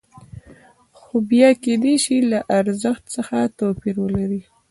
خو بیه کېدای شي له ارزښت څخه توپیر ولري